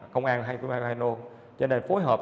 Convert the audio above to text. công an hai cano cho nên phối hợp